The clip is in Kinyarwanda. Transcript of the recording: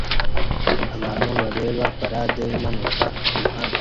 Abantu bareba parade imanuka mumuhanda